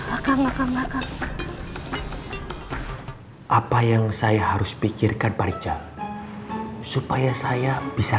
akan makan makan apa yang saya harus pikirkan parijal supaya saya bisa